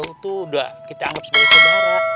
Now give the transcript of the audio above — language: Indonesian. tapi kan mang ojo itu udah kita anggap sebagai saudara